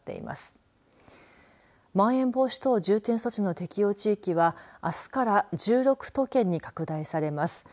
まん延防止等重点措置の適用地域はあすから１６都県に拡大されます。